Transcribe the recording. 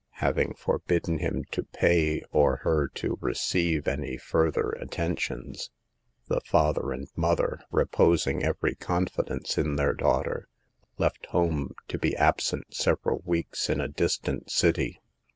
123 Having forbidden him to pay or her to receive any further attentions, the father and mother, reposing every confidence in their daughter, left home to be absent several weeks in a distant city.